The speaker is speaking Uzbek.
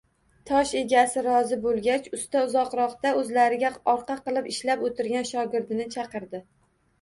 Tosh egasi rozi boʻlgach, usta uzoqroqda oʻzlariga orqa qilib ishlab oʻtirgan shogirdini chaqirdi